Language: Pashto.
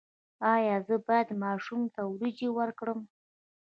ایا زه باید ماشوم ته وریجې ورکړم؟